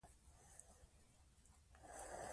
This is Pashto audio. د جګړې په ډګر کې څوک رالوېدلی وو؟